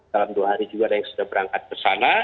dalam dua hari juga ada yang sudah berangkat kesana